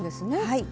はい。